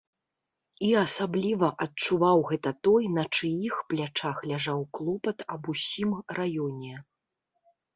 І асабліва адчуваў гэта той, на чыіх плячах ляжаў клопат аб усім раёне.